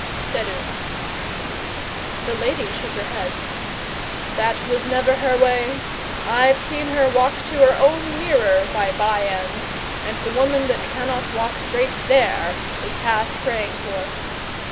said Una. The lady shook her head. 'That was never her way. I've seen her walk to her own mirror by bye ends, and the woman that cannot walk straight there is past praying for.